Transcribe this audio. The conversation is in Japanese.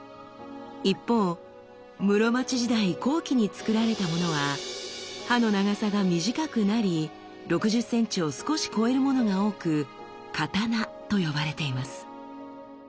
一方室町時代後期につくられたものは刃の長さが短くなり６０センチを少し超えるものが多く「刀」と呼ばれています。